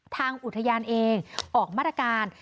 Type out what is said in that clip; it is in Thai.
ทางอุทยานเองออกมาตรการ